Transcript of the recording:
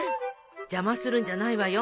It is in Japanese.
邪魔するんじゃないわよ。